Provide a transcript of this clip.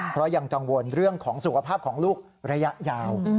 เพราะยังกังวลเรื่องของสุขภาพของลูกระยะยาว